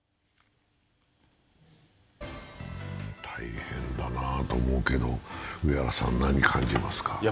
大変だなと思うけど上原さん、何感じますか？